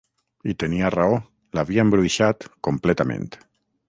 I tenia raó, l'havia embruixat, completament.